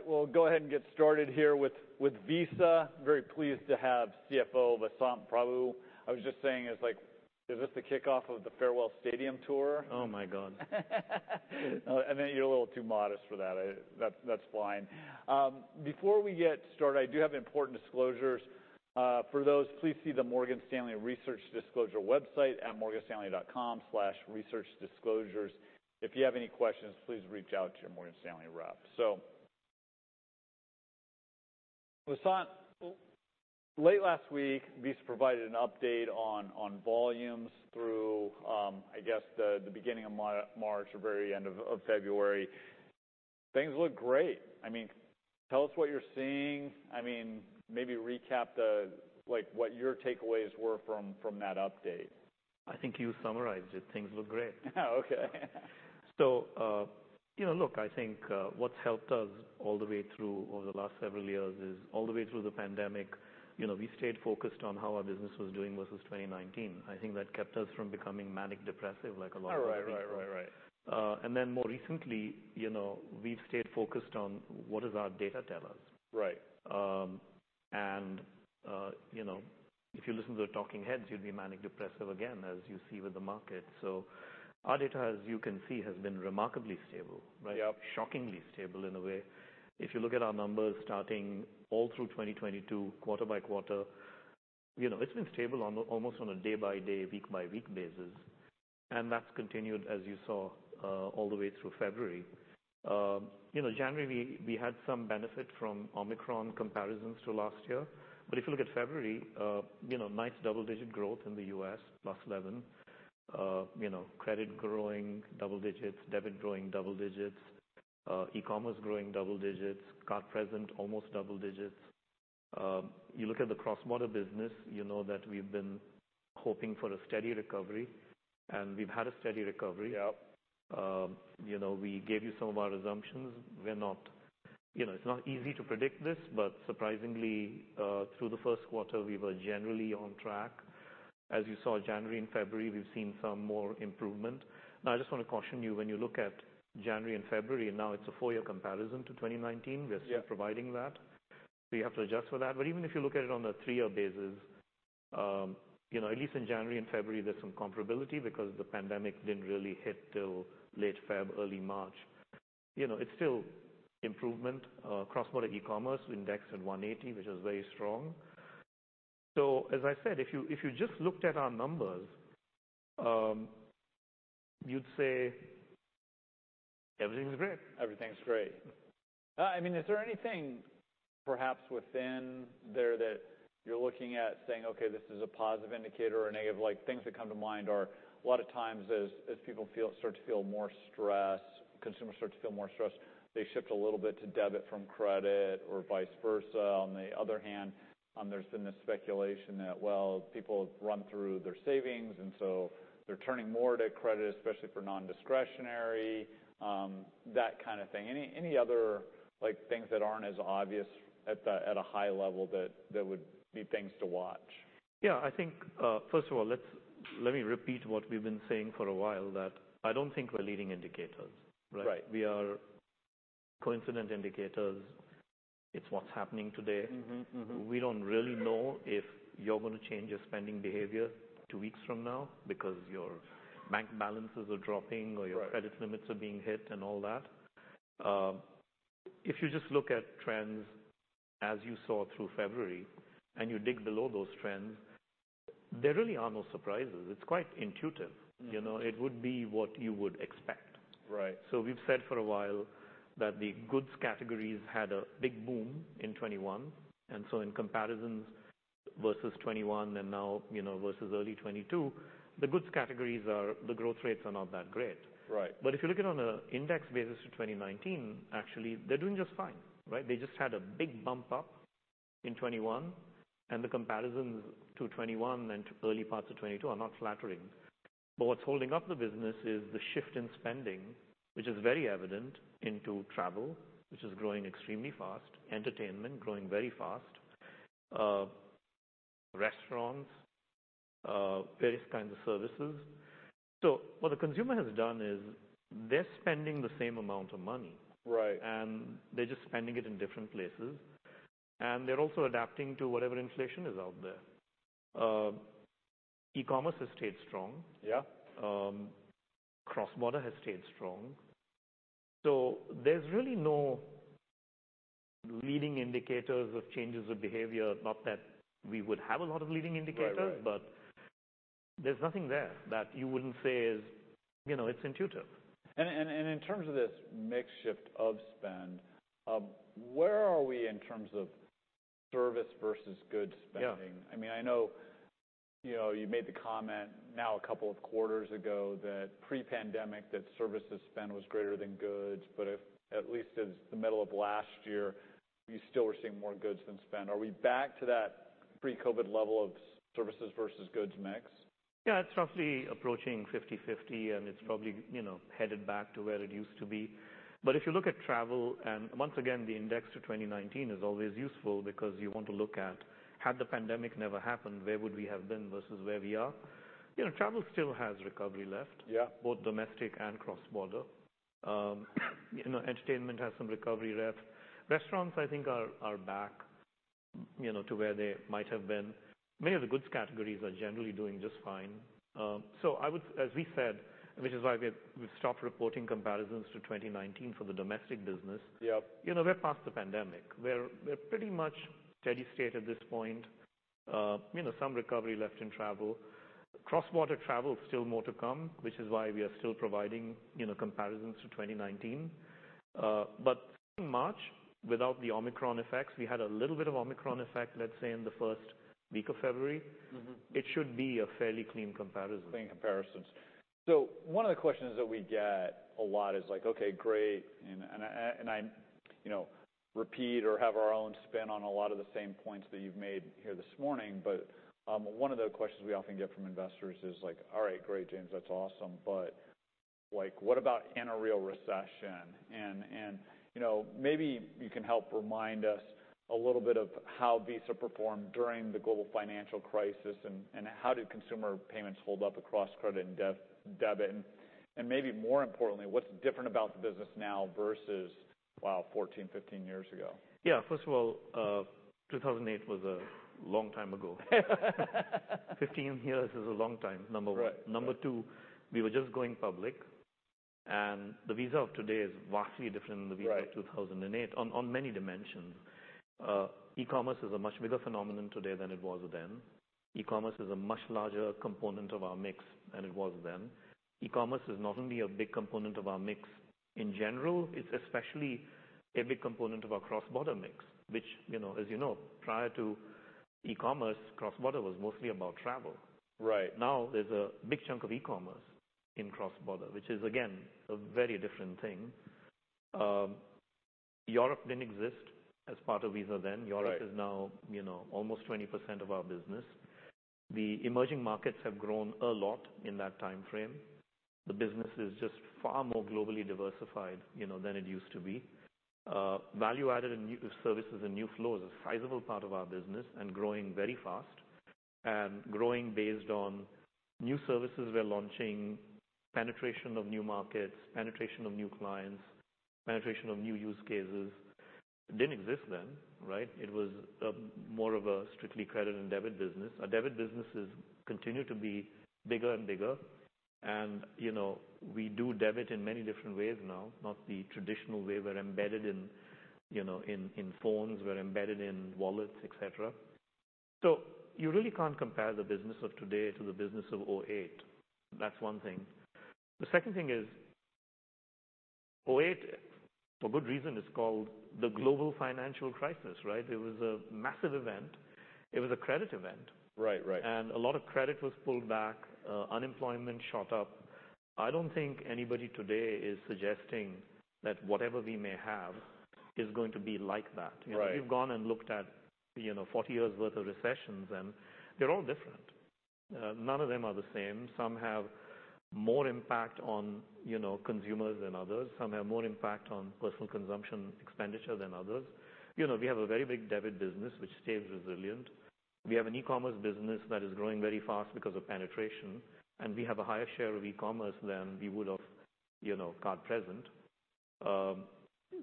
All right, we'll go ahead and get started here with Visa. Very pleased to have CFO Vasant Prabhu. I was just saying, it's like, is this the kickoff of the farewell stadium tour? Oh, my God. I think you're a little too modest for that. That's fine. Before we get started, I do have important disclosures. For those, please see the Morgan Stanley research disclosure website at morganstanley.com/researchdisclosures. If you have any questions, please reach out to your Morgan Stanley rep. Vasant, late last week, Visa provided an update on volumes through, I guess the beginning of March or very end of February. Things look great. I mean, tell us what you're seeing. I mean maybe recap the like, what your takeaways were from that update. I think you summarized it. Things look great. Oh, okay. You know, look, I think, what's helped us all the way through over the last several years is all the way through the pandemic, you know, we stayed focused on how our business was doing versus 2019. I think that kept us from becoming manic depressive like a lot of other people. Right. Right. Right. Right. More recently, you know, we've stayed focused on what does our data tell us. Right. You know, if you listen to the talking heads, you'll be manic depressive again, as you see with the market. Our data, as you can see, has been remarkably stable, right? Yep. Shockingly stable, in a way. If you look at our numbers starting all through 2022, quarter by quarter, you know, it's been stable almost on a day by day, week by week basis. That's continued, as you saw, all the way through February. You know, January, we had some benefit from Omicron comparisons to last year. If you look at February, you know, nice double-digit growth in the U.S., +11. You know, credit growing double digits, debit growing double digits, e-commerce growing double digits, card present almost double digits. You look at the cross-border business, you know that we've been hoping for a steady recovery, and we've had a steady recovery. Yep. You know, we gave you some of our assumptions. You know, it's not easy to predict this, but surprisingly, through the first quarter, we were generally on track. As you saw, January and February, we've seen some more improvement. I just wanna caution you, when you look at January and February, and now it's a full year comparison to 2019. Yeah. -we're still providing that. You have to adjust for that. Even if you look at it on a three-year basis, you know, at least in January and February, there's some comparability because the pandemic didn't really hit till late February, early March. You know, it's still improvement. cross-border e-commerce indexed at 180, which is very strong. As I said, if you, if you just looked at our numbers, you'd say everything's great. Everything's great. I mean, is there anything perhaps within there that you're looking at saying, "Okay, this is a positive indicator or a negative." Like things that come to mind are a lot of times as consumers start to feel more stressed, they shift a little bit to debit from credit or vice versa. On the other hand, there's been this speculation that, well, people run through their savings, they're turning more to credit, especially for non-discretionary, that kind of thing. Any other, like, things that aren't as obvious at a high level that would be things to watch? I think, first of all, let me repeat what we've been saying for a while, that I don't think we're leading indicators, right? Right. We are coincident indicators. It's what's happening today. Mm-hmm. Mm-hmm. We don't really know if you're gonna change your spending behavior two weeks from now because your bank balances are dropping. Right. Your credit limits are being hit and all that. If you just look at trends as you saw through February, and you dig below those trends, there really are no surprises. It's quite intuitive. Mm. You know, it would be what you would expect. Right. We've said for a while that the goods categories had a big boom in 2021, and so in comparisons versus 2021 and now, you know, versus early 2022, the goods categories are the growth rates are not that great. Right. If you look at it on a index basis to 2019, actually they're doing just fine, right? They just had a big bump up in 2021, and the comparisons to 2021 and to early parts of 2022 are not flattering. What's holding up the business is the shift in spending, which is very evident into travel, which is growing extremely fast, entertainment growing very fast, restaurants, various kinds of services. What the consumer has done is they're spending the same amount of money. Right. They're just spending it in different places, and they're also adapting to whatever inflation is out there. e-commerce has stayed strong. Yeah. Cross-border has stayed strong. There's really no leading indicators of changes of behavior, not that we would have a lot of leading indicators. Right. Right. There's nothing there that you wouldn't say is, you know, it's intuitive. In terms of this mix shift of spend, where are we in terms of service versus goods spending? Yeah. I mean, I know, you know, you made the comment now a couple of quarters ago that pre-pandemic, that services spend was greater than goods. If, at least as the middle of last year, you still were seeing more goods than spend. Are we back to that pre-COVID level of services versus goods mix? Yeah, it's roughly approaching 50/50, and it's probably, you know, headed back to where it used to be. If you look at travel, and once again, the index to 2019 is always useful because you want to look at had the pandemic never happened, where would we have been versus where we are? You know, travel still has recovery left. Yeah -both domestic and cross-border. you know, entertainment has some recovery left. Restaurants I think are back, you know, to where they might have been. Many of the goods categories are generally doing just fine. I would, as we said, which is why we've stopped reporting comparisons to 2019 for the domestic business. Yep. You know, we're past the pandemic. We're pretty much steady state at this point. You know, some recovery left in travel. Cross-border travel, still more to come, which is why we are still providing, you know, comparisons to 2019. In March, without the Omicron effects, we had a little bit of Omicron effect, let's say, in the first week of February. Mm-hmm. It should be a fairly clean comparison. Clean comparisons. One of the questions that we get a lot is like, "Okay, great," and I'm, you know, repeat or have our own spin on a lot of the same points that you've made here this morning. One of the questions we often get from investors is like, "All right. Great, James. That's awesome." But like, what about in a real recession? You know, maybe you can help remind us a little bit of how Visa performed during the global financial crisis, and how did consumer payments hold up across credit and debit? Maybe more importantly, what's different about the business now versus, wow, 14, 15 years ago? Yeah. First of all, 2008 was a long time ago. 15 years is a long time, number one. Right. Number two, we were just going public. The Visa of today is vastly different than the Visa. Right -of 2008 on many dimensions. E-commerce is a much bigger phenomenon today than it was then. E-commerce is a much larger component of our mix than it was then. E-commerce is not only a big component of our mix in general, it's especially a big component of our cross-border mix, which, you know, as you know, prior to e-commerce, cross-border was mostly about travel. Right. Now, there's a big chunk of e-commerce in cross-border, which is again, a very different thing. Europe didn't exist as part of Visa then. Right. Europe is now, you know, almost 20% of our business. The emerging markets have grown a lot in that timeframe. The business is just far more globally diversified, you know, than it used to be. Value-added and new services and new flows is a sizable part of our business and growing very fast. Growing based on new services we're launching, penetration of new markets, penetration of new clients, penetration of new use cases. It didn't exist then, right? It was more of a strictly credit and debit business. Our debit businesses continue to be bigger and bigger and, you know, we do debit in many different ways now, not the traditional way. We're embedded in, you know, in phones. We're embedded in wallets, et cetera. You really can't compare the business of today to the business of 2008. That's one thing. The second thing is 2008, for good reason, is called the Global Financial Crisis, right? It was a massive event. It was a credit event. Right. Right. A lot of credit was pulled back. Unemployment shot up. I don't think anybody today is suggesting that whatever we may have is going to be like that. Right. You know, if you've gone and looked at, you know, 40 years' worth of recessions and they're all different. None of them are the same. Some have more impact on, you know, consumers than others. Some have more impact on personal consumption expenditure than others. You know, we have a very big debit business, which stays resilient. We have an e-commerce business that is growing very fast because of penetration, and we have a higher share of e-commerce than we would have, you know, card present.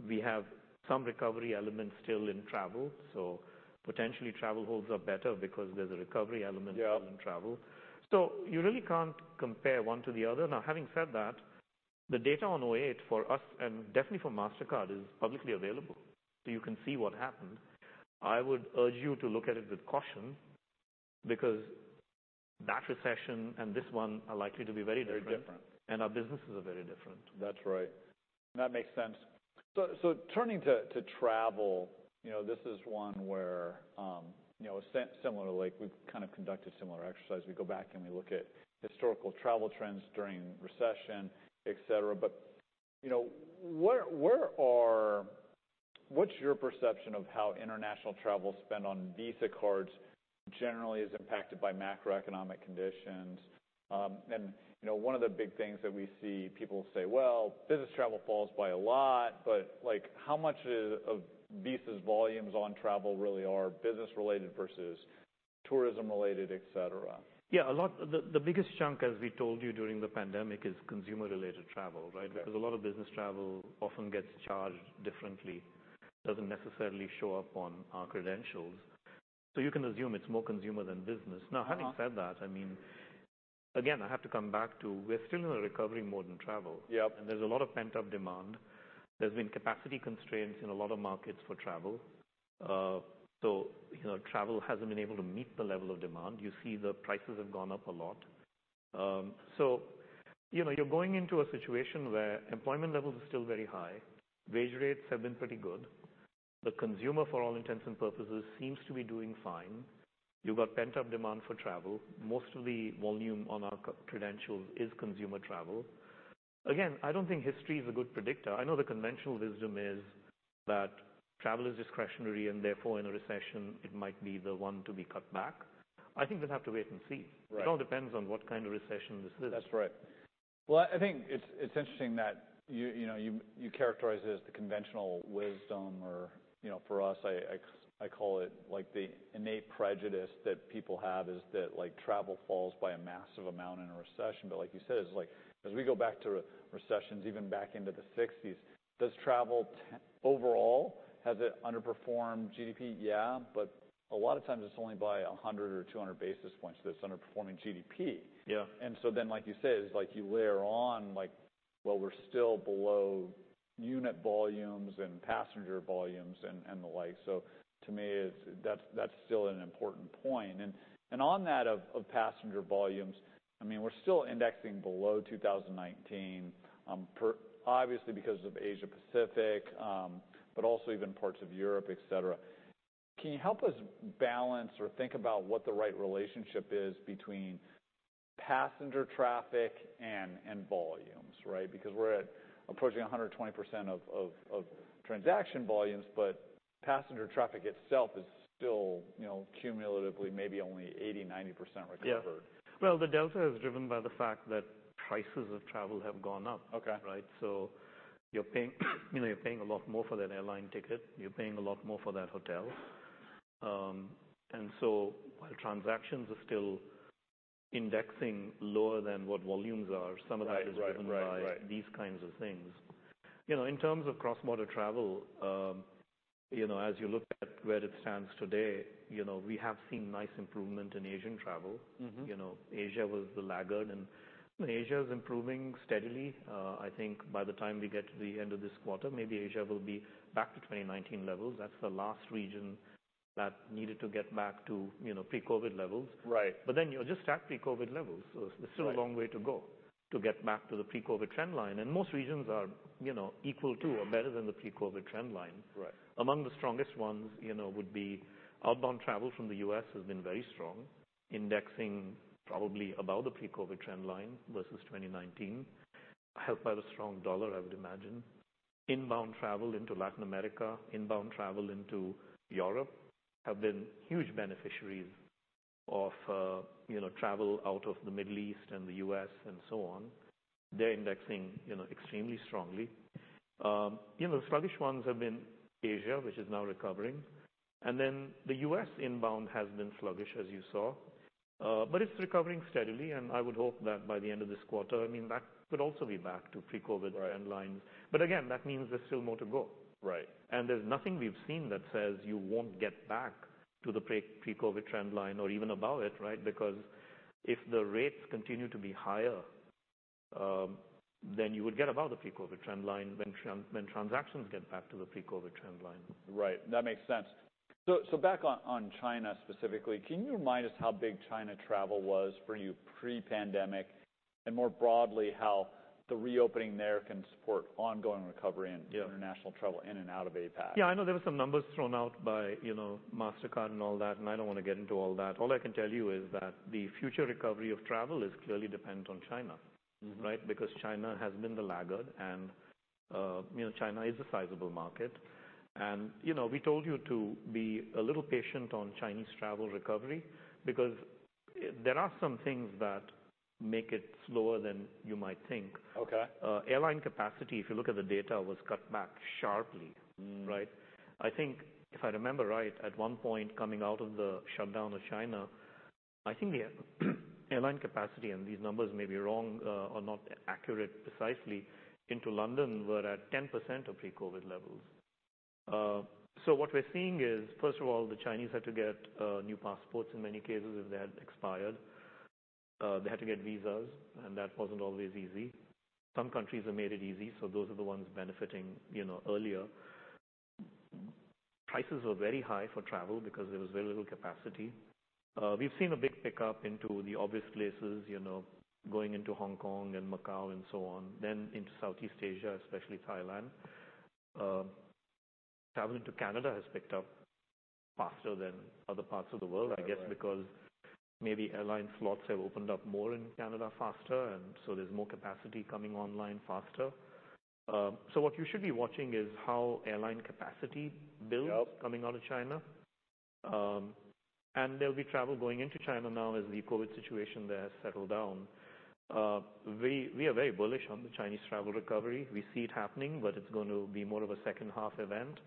We have some recovery elements still in travel, so potentially travel holds up better because there's a recovery element. Yeah Still in travel. You really can't compare one to the other. Having said that, the data on 2008 for us, and definitely for Mastercard, is publicly available. You can see what happened. I would urge you to look at it with caution because that recession and this one are likely to be very different. Very different. Our businesses are very different. That's right. That makes sense. Turning to travel, you know, this is one where, you know, similar to like we've kind of conducted similar exercise. We go back and we look at historical travel trends during recession, et cetera. You know, what's your perception of how international travel spend on Visa cards generally is impacted by macroeconomic conditions? You know, one of the big things that we see people say, "Well, business travel falls by a lot," but like how much of Visa's volumes on travel really are business related versus tourism related, et cetera? Yeah, a lot. The biggest chunk, as we told you during the pandemic, is consumer-related travel, right? Right. A lot of business travel often gets charged differently, doesn't necessarily show up on our credentials. You can assume it's more consumer than business. Uh-huh. Having said that, I mean, again, I have to come back to we're still in a recovery mode in travel. Yep. There's a lot of pent-up demand. There's been capacity constraints in a lot of markets for travel. You know, travel hasn't been able to meet the level of demand. You see the prices have gone up a lot. You know, you're going into a situation where employment levels are still very high. Wage rates have been pretty good. The consumer, for all intents and purposes, seems to be doing fine. You've got pent-up demand for travel. Most of the volume on our credentials is consumer travel. Again, I don't think history is a good predictor. I know the conventional wisdom is that travel is discretionary and therefore in a recession it might be the one to be cut back. I think we'll have to wait and see. Right. It all depends on what kind of recession this is. That's right. I think it's interesting that you know, you characterize it as the conventional wisdom or, you know, for us, I call it like the innate prejudice that people have is that like travel falls by a massive amount in a recession. Like you said, it's like as we go back to recessions, even back into the sixties, does travel overall, has it underperformed GDP? Yeah. A lot of times it's only by 100 or 200 basis points that it's underperforming GDP. Yeah. Like you said, it's like you layer on like, well, we're still below unit volumes and passenger volumes and the like. To me that's still an important point. On that of passenger volumes, I mean, we're still indexing below 2019, obviously because of Asia-Pacific, but also even parts of Europe, et cetera. Can you help us balance or think about what the right relationship is between passenger traffic and volumes, right? Because we're at approaching 120% of transaction volumes, but passenger traffic itself is still, you know, cumulatively maybe only 80%-90% recovered. Yeah. Well, the delta is driven by the fact that prices of travel have gone up. Okay. Right? you're paying, you know, you're paying a lot more for that airline ticket. You're paying a lot more for that hotel. while transactions are still indexing lower than what volumes are... Right. Right, right... some of that is driven by these kinds of things. You know, in terms of cross-border travel, you know, as you look at where it stands today, you know, we have seen nice improvement in Asian travel. Mm-hmm. You know, Asia was the laggard, and, I mean, Asia's improving steadily. I think by the time we get to the end of this quarter, maybe Asia will be back to 2019 levels. That's the last region that needed to get back to, you know, pre-COVID levels. Right. You're just at pre-COVID levels. Right... there's still a long way to go to get back to the pre-COVID trend line. Most regions are, you know, equal to or better than the pre-COVID trend line. Right. Among the strongest ones, you know, would be outbound travel from the U.S. has been very strong, indexing probably above the pre-COVID trend line versus 2019, helped by the strong dollar, I would imagine. Inbound travel into Latin America, inbound travel into Europe have been huge beneficiaries of, you know, travel out of the Middle East and the U.S. and so on. They're indexing, you know, extremely strongly. You know, sluggish ones have been Asia, which is now recovering, and then the U.S. inbound has been sluggish, as you saw. It's recovering steadily, and I would hope that by the end of this quarter, I mean, that could also be back to pre-COVID trend lines. Right. Again, that means there's still more to go. Right. There's nothing we've seen that says you won't get back to the pre-COVID trend line or even above it, right? Because if the rates continue to be higher, then you would get above the pre-COVID trend line when transactions get back to the pre-COVID trend line. Right. That makes sense. Back on China specifically, can you remind us how big China travel was for you pre-pandemic, and more broadly, how the reopening there can support ongoing recovery. Yeah international travel in and out of APAC? Yeah, I know there were some numbers thrown out by, you know, Mastercard and all that, and I don't wanna get into all that. All I can tell you is that the future recovery of travel is clearly dependent on China. Mm-hmm. Right? Because China has been the laggard and, you know, China is a sizable market. You know, we told you to be a little patient on Chinese travel recovery because there are some things that make it slower than you might think. Okay. Airline capacity, if you look at the data, was cut back sharply, right? I think if I remember right, at one point coming out of the shutdown of China, I think the airline capacity, and these numbers may be wrong or not accurate precisely, into London were at 10% of pre-COVID levels. What we're seeing is, first of all, the Chinese had to get new passports in many cases if they had expired. They had to get visas, and that wasn't always easy. Some countries have made it easy, so those are the ones benefiting, you know, earlier. Prices were very high for travel because there was very little capacity. We've seen a big pickup into the obvious places, you know, going into Hong Kong and Macau and so on, then into Southeast Asia, especially Thailand. Travel into Canada has picked up faster than other parts of the world. Okay I guess because maybe airline slots have opened up more in Canada faster, there's more capacity coming online faster. What you should be watching is how airline capacity builds-. Yep... coming out of China. There'll be travel going into China now as the COVID situation there has settled down. We are very bullish on the Chinese travel recovery. We see it happening, but it's going to be more of a second half event.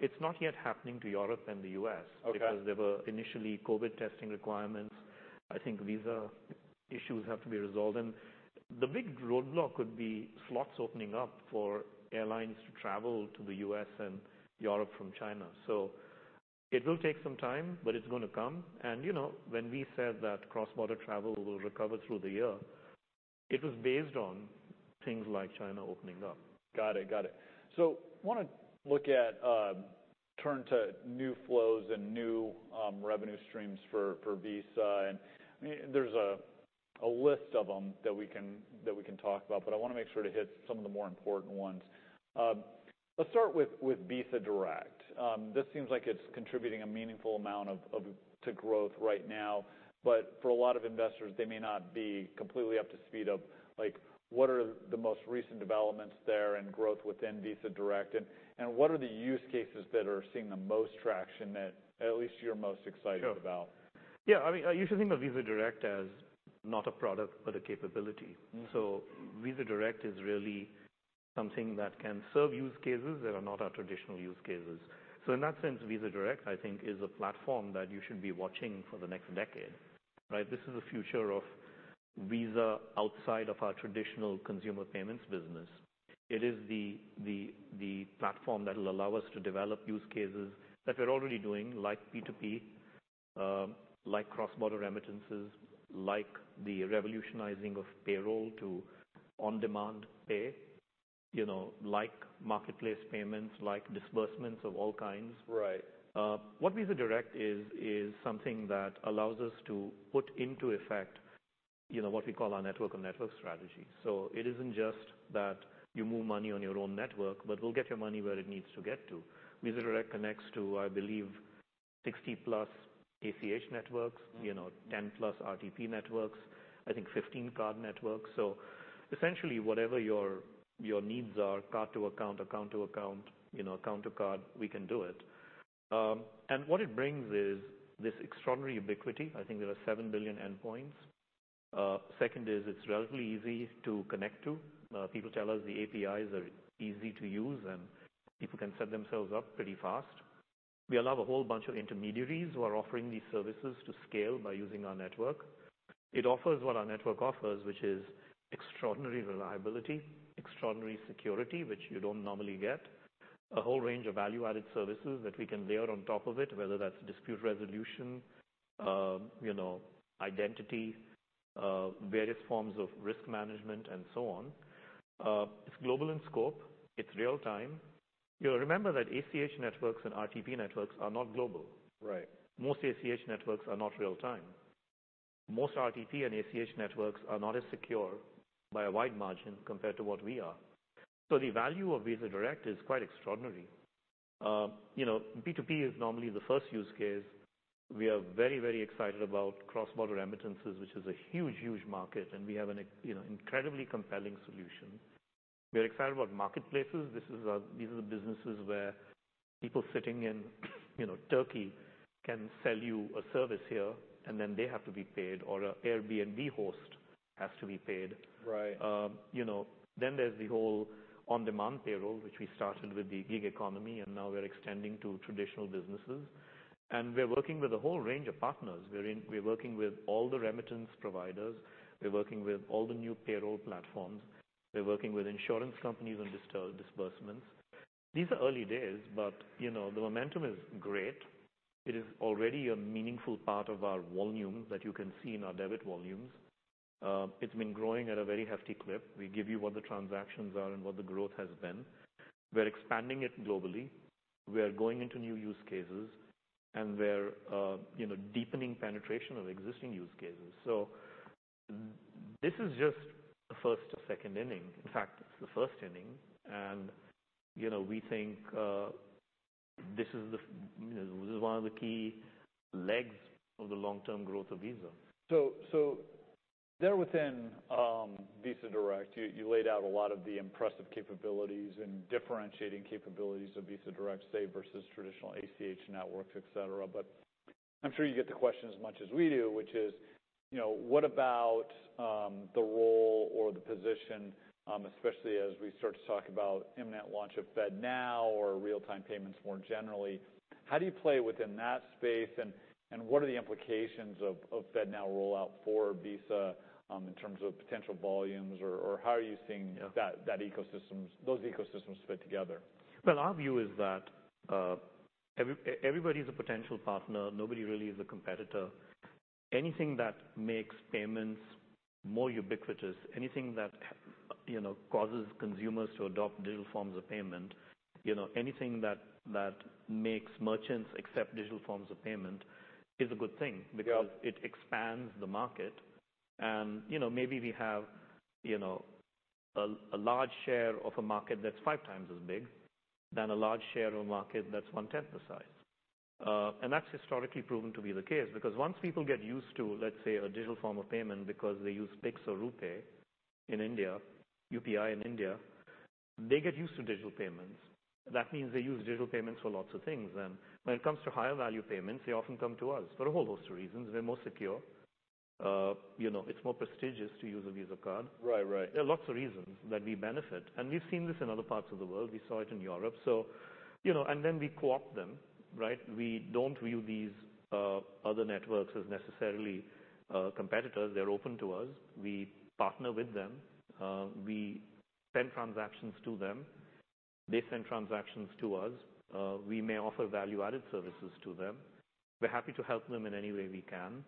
It's not yet happening to Europe and the U.S.- Okay... because there were initially COVID testing requirements. I think visa issues have to be resolved. The big roadblock would be slots opening up for airlines to travel to the U.S. and Europe from China. It will take some time, but it's gonna come. You know, when we said that cross-border travel will recover through the year, it was based on things like China opening up. Got it. Wanna look at turn to new flows and new revenue streams for Visa. I mean, there's a list of them that we can talk about, but I wanna make sure to hit some of the more important ones. Let's start with Visa Direct. This seems like it's contributing a meaningful amount of to growth right now. For a lot of investors, they may not be completely up to speed of like what are the most recent developments there and growth within Visa Direct? What are the use cases that are seeing the most traction that at least you're most excited about? Sure. Yeah, I mean, I usually think of Visa Direct as not a product, but a capability. Mm-hmm. Visa Direct is really something that can serve use cases that are not our traditional use cases. In that sense, Visa Direct, I think, is a platform that you should be watching for the next decade, right? This is the future of Visa outside of our traditional consumer payments business. It is the platform that will allow us to develop use cases that we're already doing, like P2P, like cross-border remittances, like the revolutionizing of payroll to on-demand pay, you know, like marketplace payments, like disbursements of all kinds. Right. What Visa Direct is something that allows us to put into effect, you know, what we call our network of networks strategy. It isn't just that you move money on your own network, but we'll get your money where it needs to get to. Visa Direct connects to, I believe, 60+ ACH networks. Mm-hmm. You know, 10+ RTP networks, I think 15 card networks. Essentially, whatever your needs are, card to account to account, you know, account to card, we can do it. What it brings is this extraordinary ubiquity. I think there are 7 billion endpoints. Second is it's relatively easy to connect to. People tell us the APIs are easy to use, and people can set themselves up pretty fast. We allow a whole bunch of intermediaries who are offering these services to scale by using our network. It offers what our network offers, which is extraordinary reliability, extraordinary security, which you don't normally get. A whole range of value-added services that we can layer on top of it, whether that's dispute resolution, you know, identity, various forms of risk management and so on. It's global in scope. It's real time. You'll remember that ACH networks and RTP networks are not global. Right. Most ACH networks are not real-time. Most RTP and ACH networks are not as secure by a wide margin compared to what we are. The value of Visa Direct is quite extraordinary. you know, P2P is normally the first use case. We are very, very excited about cross-border remittances, which is a huge, huge market, and we have an you know, incredibly compelling solution. We're excited about marketplaces. These are the businesses where people sitting in, you know, Turkey can sell you a service here, and then they have to be paid or a Airbnb host has to be paid. Right. You know, then there's the whole on-demand payroll, which we started with the gig economy, and now we're extending to traditional businesses. We're working with a whole range of partners. We're working with all the remittance providers. We're working with all the new payroll platforms. We're working with insurance companies on disbursements. These are early days, you know, the momentum is great. It is already a meaningful part of our volume that you can see in our debit volumes. It's been growing at a very hefty clip. We give you what the transactions are and what the growth has been. We're expanding it globally. We are going into new use cases, and we're, you know, deepening penetration of existing use cases. This is just the first or second inning. In fact, it's the first inning you know, we think, you know, this is one of the key legs of the long-term growth of Visa. There within Visa Direct, you laid out a lot of the impressive capabilities and differentiating capabilities of Visa Direct, say, versus traditional ACH networks, et cetera. I'm sure you get the question as much as we do, which is, you know, what about the role or the position, especially as we start to talk about imminent launch of FedNow or real-time payments more generally. How do you play within that space, and what are the implications of FedNow rollout for Visa in terms of potential volumes? Or how are you seeing- Yeah ...that ecosystems, those ecosystems fit together? Well, our view is that everybody is a potential partner. Nobody really is a competitor. Anything that makes payments more ubiquitous, anything that you know, causes consumers to adopt digital forms of payment, you know, anything that makes merchants accept digital forms of payment is a good thing. Yeah ...because it expands the market. You know, maybe we have a large share of a market that's five times as big than a large share of a market that's one-tenth the size. That's historically proven to be the case because once people get used to, let's say, a digital form of payment because they use Pix or RuPay in India, UPI in India, they get used to digital payments. That means they use digital payments for lots of things. When it comes to higher value payments, they often come to us for a whole host of reasons. We're more secure. You know, it's more prestigious to use a Visa card. Right. Right. There are lots of reasons that we benefit. We've seen this in other parts of the world. We saw it in Europe. You know, we co-opt them, right? We don't view these other networks as necessarily competitors. They're open to us. We partner with them. We send transactions to them. They send transactions to us. We may offer value-added services to them. We're happy to help them in any way we can.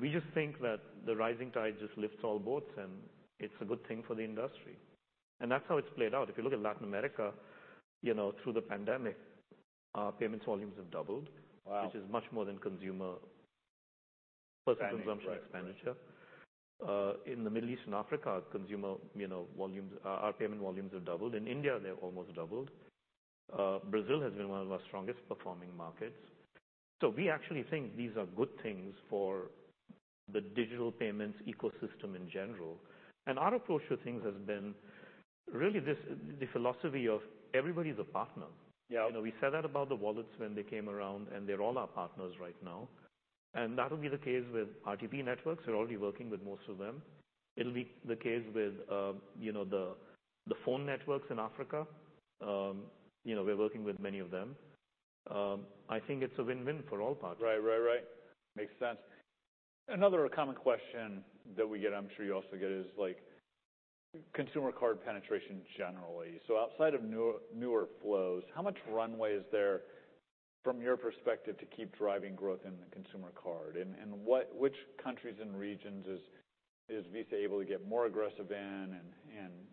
We just think that the rising tide just lifts all boats, and it's a good thing for the industry. That's how it's played out. If you look at Latin America, you know, through the pandemic, our payments volumes have doubled- Wow which is much more than consumer- Expenditure. Right, right ...personal consumption expenditure. In the Middle East and Africa, consumer, you know, volumes, our payment volumes have doubled. In India, they have almost doubled. Brazil has been one of our strongest performing markets. We actually think these are good things for the digital payments ecosystem in general. Our approach to things has been really this, the philosophy of everybody's a partner. Yeah. You know, we said that about the wallets when they came around, and they're all our partners right now. That'll be the case with RTP networks. We're already working with most of them. It'll be the case with, you know, the phone networks in Africa. You know, we're working with many of them. I think it's a win-win for all parties. Right. Right, right. Makes sense. Another common question that we get, I'm sure you also get, is like consumer card penetration generally. Outside of new-newer flows, how much runway is there from your perspective to keep driving growth in the consumer card? What-- which countries and regions is Visa able to get more aggressive in?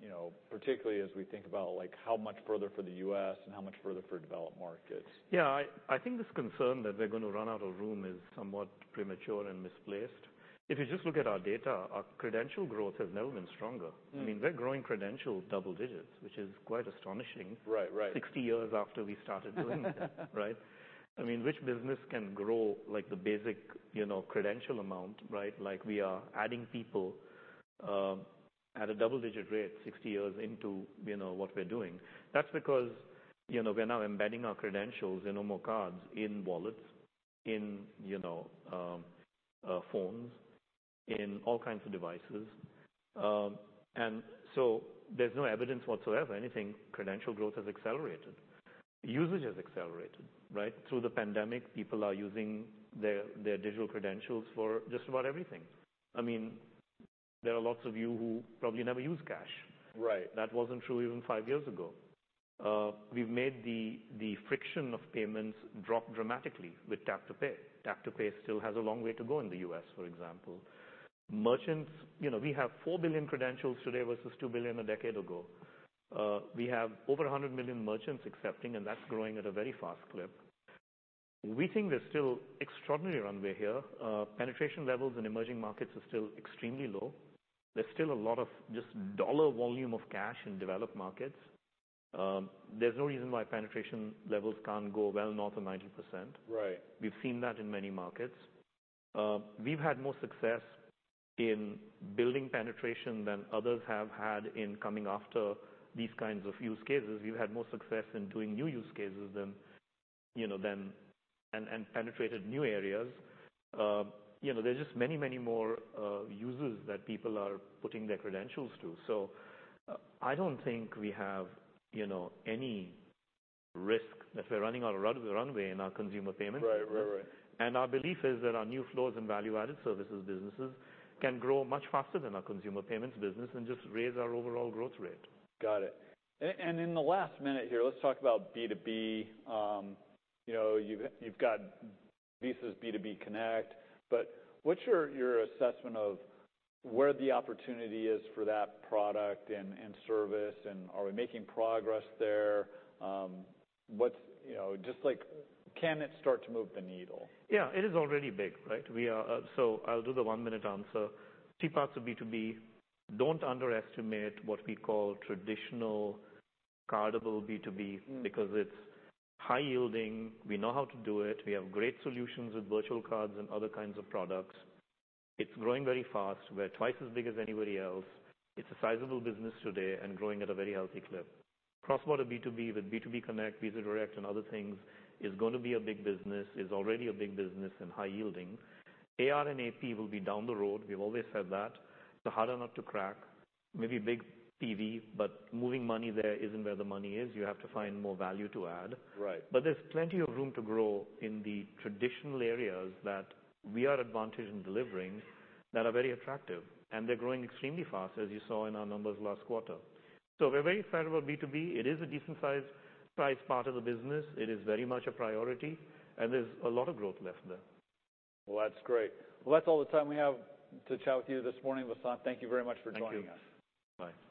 You know, particularly as we think about, like, how much further for the U.S. and how much further for developed markets. Yeah, I think this concern that we're gonna run out of room is somewhat premature and misplaced. If you just look at our data, our credential growth has never been stronger. Mm. I mean, we're growing credential double digits, which is quite astonishing. Right. Right. 60 years after we started doing that. Right? I mean, which business can grow like the basic, you know, credential amount, right? Like, we are adding people at a double-digit rate 60 years into, you know, what we're doing. That's because, you know, we're now embedding our credentials in normal cards, in wallets, in, you know, phones, in all kinds of devices. There's no evidence whatsoever, anything, credential growth has accelerated. Usage has accelerated, right? Through the pandemic, people are using their digital credentials for just about everything. I mean, there are lots of you who probably never use cash. Right. That wasn't true even five years ago. We've made the friction of payments drop dramatically with tap to pay. Tap to pay still has a long way to go in the U.S., for example. Merchants, you know, we have 4 billion credentials today versus 2 billion a decade ago. We have over 100 million merchants accepting, and that's growing at a very fast clip. We think there's still extraordinary runway here. Penetration levels in emerging markets are still extremely low. There's still a lot of just dollar volume of cash in developed markets. There's no reason why penetration levels can't go well north of 90%. Right. We've seen that in many markets. We've had more success in building penetration than others have had in coming after these kinds of use cases. We've had more success in doing new use cases, you know, And penetrated new areas. You know, there's just many, many more users that people are putting their credentials to. I don't think we have, you know, any risk that we're running out of runway in our consumer payments. Right. Right. Right. Our belief is that our new flows and value-added services businesses can grow much faster than our consumer payments business and just raise our overall growth rate. Got it. In the last minute here, let's talk about B2B. you know, you've got Visa's B2B Connect, but what's your assessment of where the opportunity is for that product and service, and are we making progress there? What's, you know, just like, can it start to move the needle? Yeah, it is already big, right? We are. I'll do the one-minute answer. Two parts of B2B, don't underestimate what we call traditional cardable B2B- Mm. because it's high yielding. We know how to do it. We have great solutions with virtual cards and other kinds of products. It's growing very fast. We're twice as big as anybody else. It's a sizable business today and growing at a very healthy clip. cross-border B2B with B2B Connect, Visa Direct, and other things is gonna be a big business. It's already a big business and high yielding. AR and AP will be down the road. We've always said that. It's a harder nut to crack. Maybe big PV, but moving money there isn't where the money is. You have to find more value to add. Right. There's plenty of room to grow in the traditional areas that we are advantaged in delivering that are very attractive, and they're growing extremely fast, as you saw in our numbers last quarter. We're very excited about B2B. It is a decent-sized part of the business. It is very much a priority, and there's a lot of growth left there. Well, that's great. Well, that's all the time we have to chat with you this morning, Vasant. Thank you very much for joining us. Thank you. Bye.